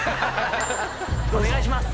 お願いします。